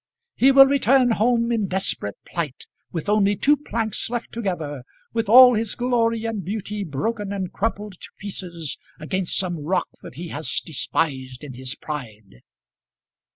"He will return home in desperate plight, with only two planks left together, with all his glory and beauty broken and crumpled to pieces against some rock that he has despised in his pride."